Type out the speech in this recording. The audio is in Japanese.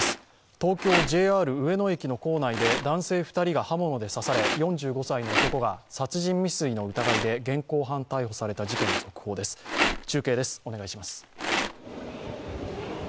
東京・ＪＲ上野駅の構内で男性２人が刃物で刺され４５歳の男が殺人未遂の疑いで現行犯逮捕された事件、続報です。